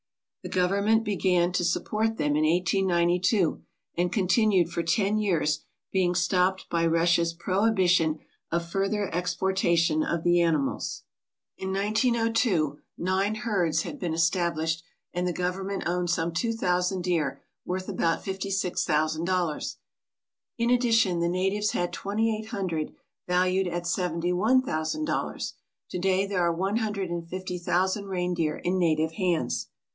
The Government began to import them in 1892 and continued for ten years, being stopped by Russia's prohibition of further exporta 207 ALASKA OUR NORTHERN WONDERLAND tion of the animals. In 1902 nine herds had been es tablished and the Government owned some two thousand deer worth about fifty six thousand dollars. In addition, the natives had twenty eight hundred valued at seventy one thousand dollars. To day there are one hundred and fifty thousand reindeer in native hands.